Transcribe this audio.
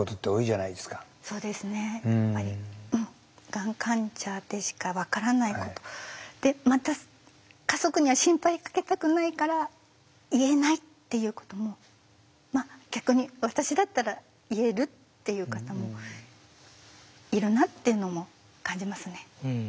がん患者でしか分からないことでまた家族には心配かけたくないから言えないっていうことも逆に私だったら言えるっていう方もいるなっていうのも感じますね。